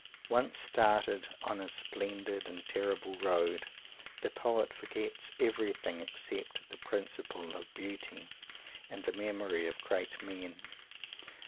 Once started on his splendid and terrible road, the poet forgets everything except the "Principle of Beauty" and the "Memory of Great Men."